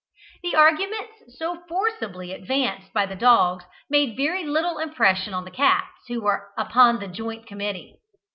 The arguments so forcibly advanced by the dogs made very little impression on the cats who were upon the joint committee.